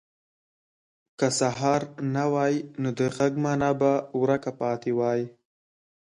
که سهار نه وای، نو د غږ مانا به ورکه پاتې وای.